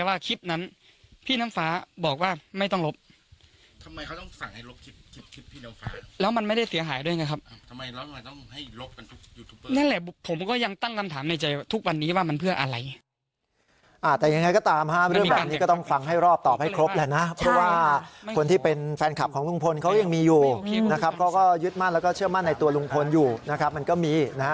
เพราะฉะนั้นพี่น้ำฟ้าบอกว่าไม่ต้องลบแล้วมันไม่ได้เสียหายด้วยนะครับผมก็ยังตั้งคำถามในใจทุกวันนี้ว่ามันเพื่ออะไรอ่าแต่ยังไงก็ตามฮะเรื่องแบบนี้ก็ต้องฟังให้รอบตอบให้ครบแล้วนะเพราะว่าคนที่เป็นแฟนคลับของลุงโพนเขายังมีอยู่นะครับเขาก็ยึดมั่นแล้วก็เชื่อมั่นในตัวลุงโพนอยู่นะครับมันก็มีนะ